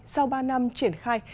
sau ba năm triển khai